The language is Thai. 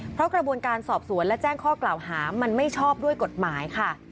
เพราะกระบวนการสอบสวนและแจ้งข้อกล่าวหามันไม่ชอบด้วยกฎหมายค่ะ